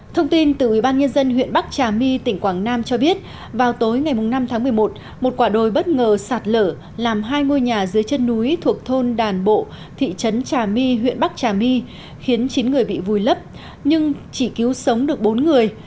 thông tin từ ubnd huyện bắc trà my tỉnh quảng nam cho biết vào tối ngày năm tháng một mươi một một quả đồi bất ngờ sạt lở làm hai ngôi nhà dưới chân núi thuộc thôn đàn bộ thị trấn trà my huyện bắc trà my khiến chín người bị vùi lấp nhưng chỉ cứu sống được bốn người